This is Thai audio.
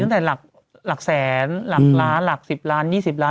ตั้งแต่หลักหลักแสนหลักล้านหลักสิบล้านยี่สิบล้าน